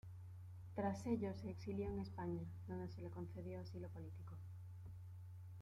Tras ello se exilió en España, donde se le concedió asilo político.